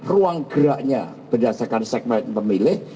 ruang geraknya berdasarkan segmen pemilih